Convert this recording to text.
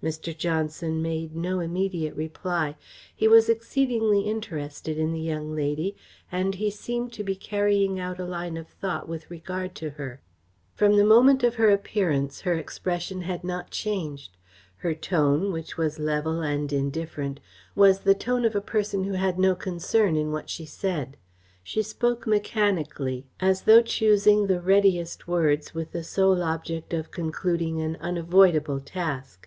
Mr. Johnson made no immediate reply. He was exceedingly interested in the young lady, and he seemed to be carrying out a line of thought with regard to her. From the moment of her appearance her expression had not changed. Her tone, which was level and indifferent, was the tone of a person who had no concern in what she said; she spoke mechanically, as though choosing the readiest words with the sole object of concluding an unavoidable task.